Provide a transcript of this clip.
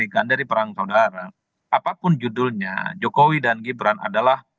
bagian dari perang saudara apapun judulnya jokowi dan gibran adalah